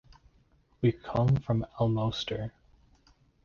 We come from Almoster.